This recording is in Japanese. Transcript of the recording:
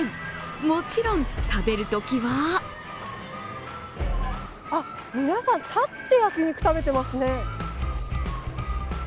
もちろん食べるときはあっ、皆さん、立って焼き肉食べてますね。